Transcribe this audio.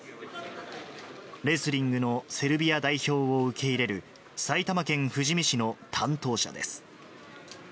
レスリングのセルビア代表を受け入れる埼玉県富士見市の担当者です。